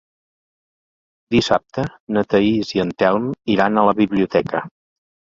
Dissabte na Thaís i en Telm iran a la biblioteca.